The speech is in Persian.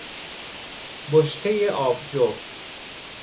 بشکهی آبجو